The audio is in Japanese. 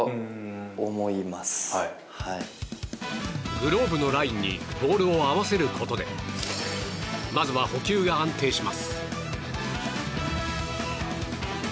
グローブのラインにボールを合わせることでまずは捕球が安定します。